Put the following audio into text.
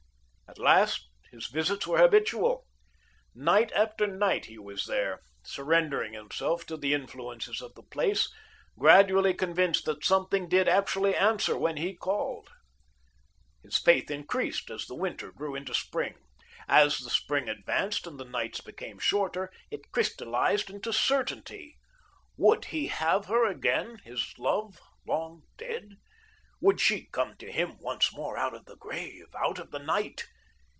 At last, his visits were habitual. Night after night he was there, surrendering himself to the influences of the place, gradually convinced that something did actually answer when he called. His faith increased as the winter grew into spring. As the spring advanced and the nights became shorter, it crystallised into certainty. Would he have her again, his love, long dead? Would she come to him once more out of the grave, out of the night?